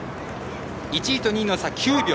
１位と２位の差は９秒。